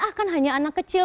ah kan hanya anak kecil